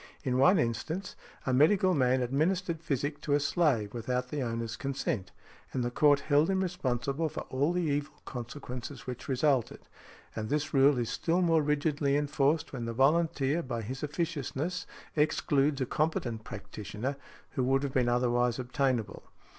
In one instance, a medical man administered physic to a slave without the owner's consent, and the court held him responsible for all the evil consequences which resulted ; and this rule is still more rigidly enforced when the volunteer by his officiousness excludes a competent practitioner who would have been otherwise obtainable.